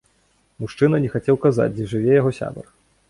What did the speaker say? Мужчына не хацеў казаць, дзе жыве яго сябар.